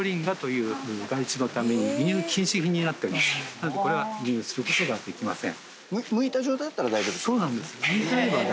なのでこれは輸入することができません。